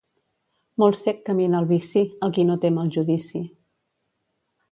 Molt cec camina al vici, el qui no tem el judici.